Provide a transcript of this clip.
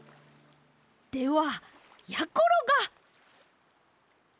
ではやころが！